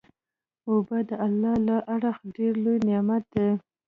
اوبه د الله له اړخه ډیر لوئ نعمت دی